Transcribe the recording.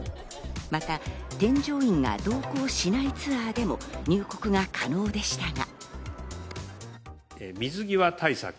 また、添乗員が同行しないツアーでも入国が可能でしたが。